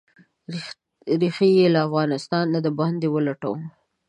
ریښې یې له افغانستانه د باندې ولټوو.